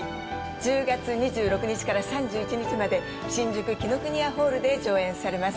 １０月２６日から３１日まで新宿紀伊國屋ホールで上演されます。